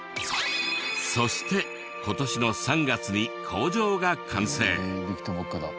そして今年の３月に工場が完成。